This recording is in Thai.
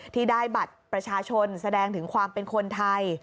ที่ได้บัตรประชาชนแสดงถึงความเป็นคนไทย